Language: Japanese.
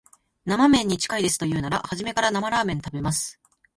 生めんに近いですと言うなら、初めから生ラーメン食べます